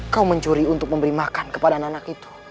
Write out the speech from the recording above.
kau mencuri untuk memberi makan kepada nanak itu